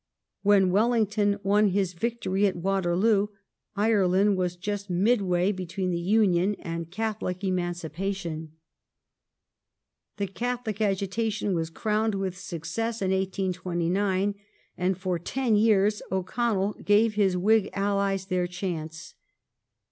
When Wellington won his victory at Waterloo, Ireland was just midway between the Union and Catholic Emancipation. The Catholic agitation was crowned with success in 1829, and for ten yeare O'Connell gave his Whig allies their chance.